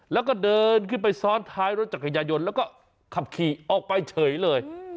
แล้วก็เดินขึ้นไปซ้อนท้ายรถจักรยายนแล้วก็ขับขี่ออกไปเฉยเลย